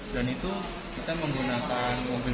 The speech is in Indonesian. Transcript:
dan itu kita menggunakan mobil empat dua ribu sembilan belas